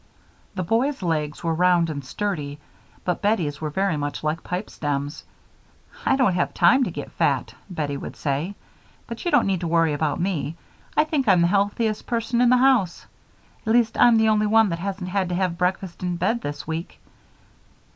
The boys' legs were round and sturdy, but Bettie's were very much like pipe stems. "I don't have time to get fat," Bettie would say. "But you don't need to worry about me. I think I'm the healthiest person in the house. At least I'm the only one that hasn't had to have breakfast in bed this week."